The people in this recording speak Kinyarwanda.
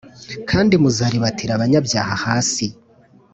Kandi muzaribatira abanyabyaha hasi